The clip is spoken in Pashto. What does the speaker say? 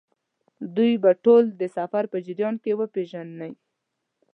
دوی به ټول د سفر په جریان کې وپېژنئ.